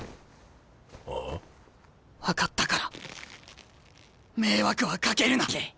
あ？分かったから迷惑はかけるな。